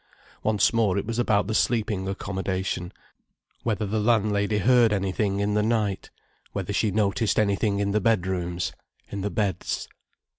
Once more it was about the sleeping accommodation—whether the landlady heard anything in the night—whether she noticed anything in the bedrooms, in the beds.